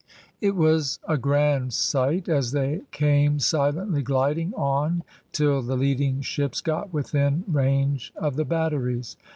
It was a grand sight as they came silently gliding on till the leading ships got within range of the batteries.